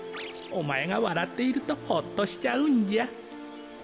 おまえがわらっているとほっとしちゃうんじゃ。